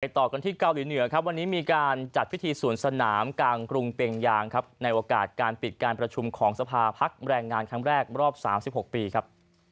ต่อกันที่เกาหลีเหนือครับวันนี้มีการจัดพิธีสวนสนามกลางกรุงเป็งยางครับในโอกาสการปิดการประชุมของสภาพแรงงานครั้งแรกรอบ๓๖ปีครับ